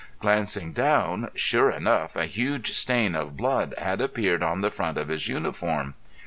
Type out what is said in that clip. Glancing down sure enough a huge stain of blood had appeared on the front of his uniform.